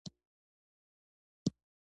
موږ پر صنعتکارانو او هغو کسانو د هغه اغېز څېړو